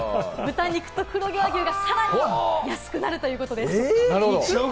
さん、豚肉と黒毛和牛がさらにお安くなるということです。